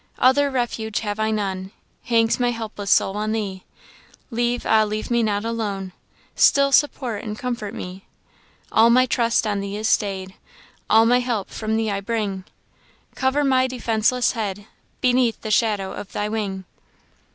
"Other refuge have I none, Hangs my helpless soul on thee Leave, ah! leave me not alone! Still support and comfort me. All my trust on thee is stay'd, All my help from thee I bring; Cover my defenceless head Beneath the shadow of thy wing.